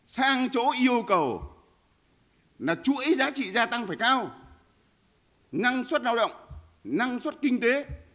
sang chỗ yêu cầu là chuỗi giá trị gia tăng phải cao năng suất lao động năng suất kinh tế